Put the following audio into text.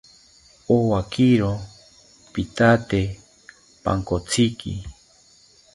Owakiro pithate pankotziki